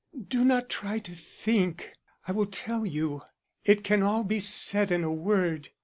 Do not try to think I will tell you. It can all be said in a word.